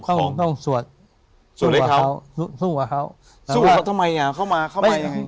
เขาคงต้องสวดสู้ให้เขาสู้สู้กับเขาสู้กับเขาทำไมอ่ะเข้ามาเข้ามายังไง